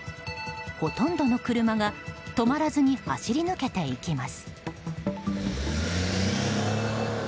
ほとんどの車が止まらずに走り抜けていきます。